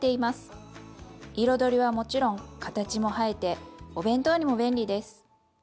彩りはもちろん形も映えてお弁当にも便利です！